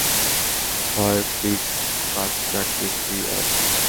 ছয় - প্লিজ - পাচ - চার - তিন - দুই - এক!